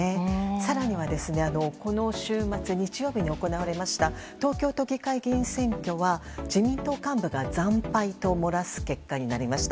更には、この週末日曜日に行われました東京都議会議員選挙は自民党幹部が惨敗と漏らす結果になりました。